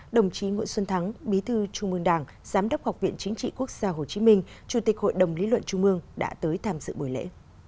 đồng chí nguyễn xuân thắng bí thư trung mương đảng giám đốc học viện chính trị quốc gia hồ chí minh chủ tịch hội đồng lý luận trung mương đã tới tham dự buổi lễ